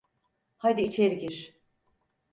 Hadi içeri gir.